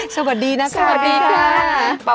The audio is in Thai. สวัสดีนะสวัสดีค่ะ